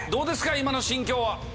今の心境は。